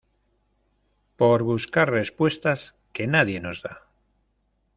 por buscar respuestas que nadie nos da.